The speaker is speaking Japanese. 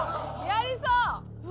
やりそう！